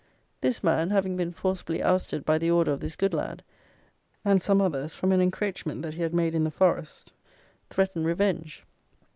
This man, having been forcibly ousted by the order of this Goodlad and some others from an encroachment that he had made in the forest, threatened revenge.